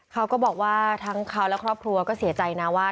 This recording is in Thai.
เขาก็บอกว่าทั้งเขาและครอบครัวก็เสียใจนะว่า